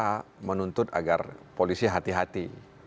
kita menuntut agar polisi hati hati